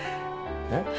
えっ？